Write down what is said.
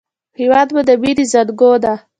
هېواد مو د مینې زانګو ده